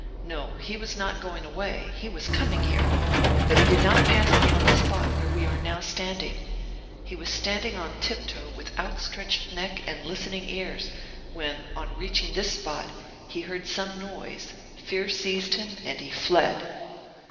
No, he was not going away, he was coming here. But he did not pass beyond the spot where we are now standing. He was standing on tiptoe with outstretched neck and listening ears, when, on reaching this spot, he heard some noise, fear seized him, and he fled."